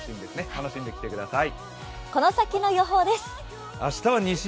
楽しんできてください。